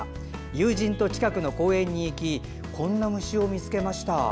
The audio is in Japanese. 友人と近くの公園に行きこんな虫を見つけました。